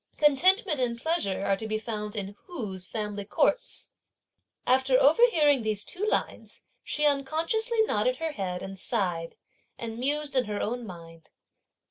Contentment and pleasure are to be found in whose family courts? After overhearing these two lines, she unconsciously nodded her head, and sighed, and mused in her own mind.